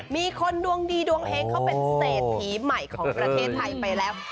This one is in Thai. มีคนดวงดีดวงเฮงเขาเป็นเศรษฐีใหม่ของประเทศไทยไปแล้ว